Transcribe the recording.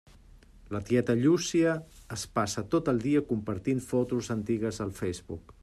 La tieta Llúcia es passa tot el dia compartint fotos antigues al Facebook.